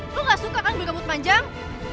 lu gak suka kan gue ngembut panjang